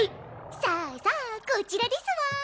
さあさあこちらですわ。